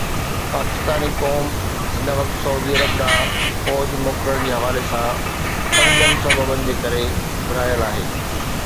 پاڪستاني قوم هن وقت سعودي عرب ڏانهن فوج موڪلڻ جي حوالي سان پنجن سببن جي ڪري ورهايل آهي.